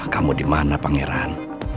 kamu di mana pangeran